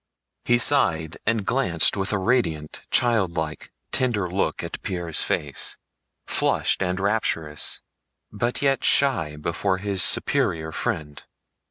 He sighed, and glanced with a radiant, childlike, tender look at Pierre's face, flushed and rapturous, but yet shy before his superior friend.